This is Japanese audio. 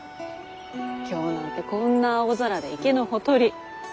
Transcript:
今日なんてこんな青空で池のほとり。